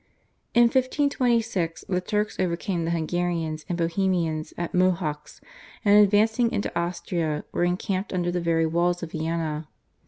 In 1526 the Turks overcame the Hungarians and Bohemians at Mohacz, and advancing into Austria were encamped under the very walls of Vienna.